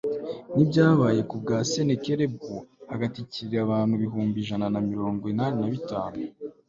nk'ibyabaye ku bwa senakeribu, hagatikirira abantu ibihumbi ijana na mirongo inani na bitanu